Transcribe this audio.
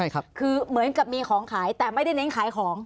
ใช่ครับคือเหมือนกับมีของขายแต่ไม่ได้เน้นขายของ